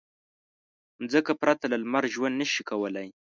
مځکه پرته له لمر ژوند نه شي کولی.